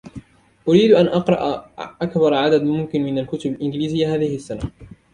أريد أن أقرأ أكبر عدد ممكن من الكتب الإنجليزية هذه السنة.